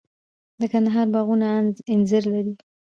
د کندهار باغونه انځر لري.